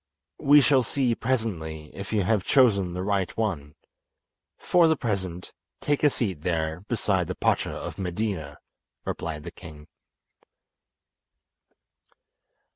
'" "We shall see presently if you have chosen the right one. For the present take a seat there beside the Pacha of Medina," replied the king.